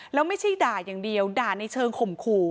แล้วไม่ใช่ด่าอย่างเดียวด่าในเชิงข่มขู่